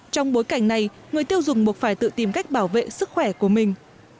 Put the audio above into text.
trong bối cảnh này người tiêu dùng buộc phải tự tìm cách bảo vệ sức khỏe của mình